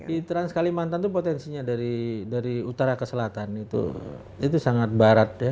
di trans kalimantan itu potensinya dari utara ke selatan itu sangat barat ya